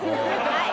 はい。